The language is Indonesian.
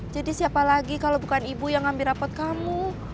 siapa lagi kalau bukan ibu yang ambil rapot kamu